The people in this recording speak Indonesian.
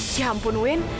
ya ampun win